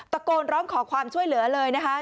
ตะโกนร้องขอความช่วยเหลือเลยนะคะ